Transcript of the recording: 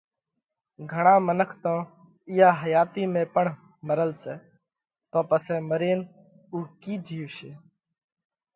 گھڻا منک تو اِيئا حياتِي ۾ پڻ مرل سئہ، تو پسئہ مرينَ اُو ڪِي جيوَشي۔